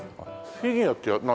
フィギュアって何？